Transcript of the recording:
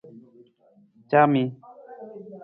Caami.